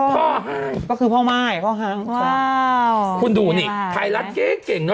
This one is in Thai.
พ่อให้ก็คือพ่อมายพ่อฮังว้าวคุณดูนี่ไทยรัฐเก่งเก่งเนอะ